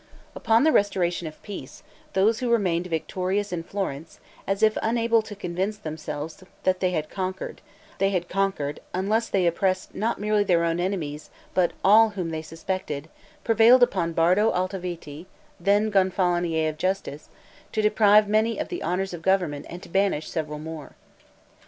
Upon the restoration of peace, those who remained victorious in Florence, as if unable to convince themselves they had conquered, unless they oppressed not merely their enemies, but all whom they suspected, prevailed upon Bardo Altoviti, then Gonfalonier of Justice, to deprive many of the honors of government, and to banish several more.